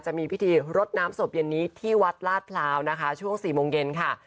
จะมีพิธีรดน้ำศพเย็นนี้ที่วัดลาดพร้าวนะคะช่วง๔โมงเย็นค่ะ